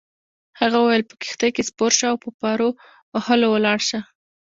هغه وویل: په کښتۍ کي سپور شه او په پارو وهلو ولاړ شه.